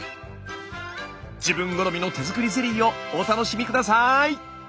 自分好みの手作りゼリーをお楽しみ下さい！